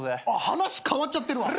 話変わっちゃってるわ。